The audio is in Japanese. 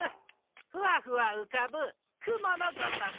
ふわふわうかぶくものごとく。